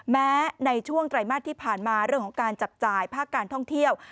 แม้ในช่วงไตรมาสที่ผ่านมาเรื่องของการจับจ่ายภาคการท่องเที่ยว